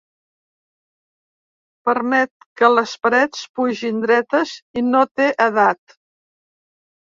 Permet que les parets pugin dretes, i no té edat.